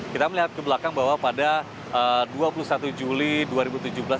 kita melihat ke belakang bahwa pada dua puluh satu juli dua ribu tujuh belas tempatnya hari jumat pekan ini